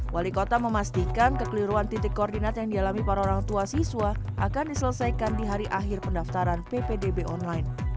wali kota memastikan kekeliruan titik koordinat yang dialami para orang tua siswa akan diselesaikan di hari akhir pendaftaran ppdb online